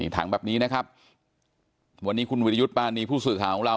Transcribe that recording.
ถังแบบนี้นะครับวันนี้คุณวิรยุทธ์ปานีผู้สื่อข่าวของเรา